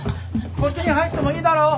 こっちに入ってもいいだろう？